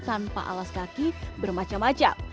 tanpa alas kaki bermacam macam